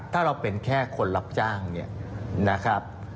ถ้าเราเป็นแค่คนรับจ้างเนี่ยนะครับ